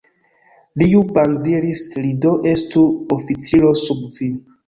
Liu Bang diris, Li do estu oficiro sub vi.